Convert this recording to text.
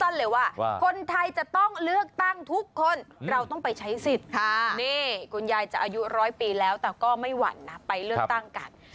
โดยพอกันกับพิศนุโล่ง